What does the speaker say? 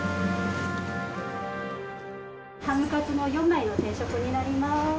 ハムカツの４枚の定食になります。